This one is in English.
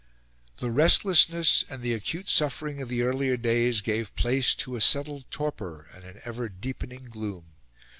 The restlessness and the acute suffering of the earlier days gave place to a settled torpor and an ever deepening gloom.